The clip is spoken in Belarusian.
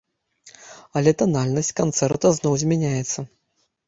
Але танальнасць канцэрта зноў змяняецца.